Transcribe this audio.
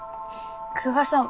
久我さん